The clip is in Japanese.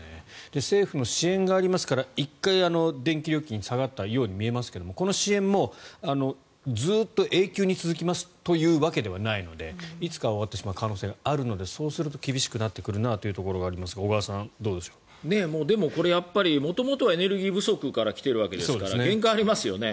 政府の支援がありますから１回、電気料金下がったように見えますがこの支援もずっと永久に続きますというわけではないのでいつかは終わってしまう可能性があるのでそうすると苦しくなってくるなというところがありますがでもこれ元々はエネルギー不足から来ているわけですから限界がありますよね。